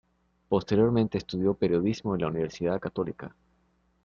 Posteriormente estudió periodismo en la Universidad Católica.